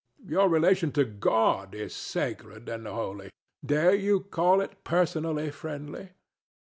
Your relation to God is sacred and holy: dare you call it personally friendly?